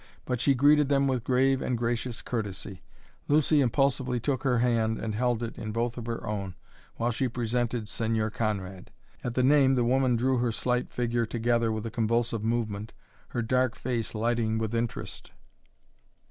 But she greeted them with grave and gracious courtesy. Lucy impulsively took her hand and held it in both her own while she presented Señor Conrad. At the name the woman drew her slight figure together with a convulsive movement, her dark face lighting with interest.